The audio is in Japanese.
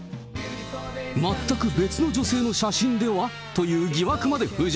全く別の女性の写真では？という疑惑まで浮上。